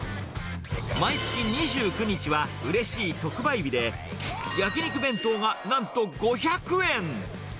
毎月２９日はうれしい特売日で、焼き肉弁当がなんと５００円。